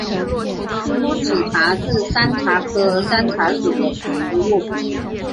疏齿茶是山茶科山茶属的植物。